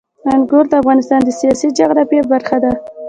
انګور د افغانستان د سیاسي جغرافیه برخه ده.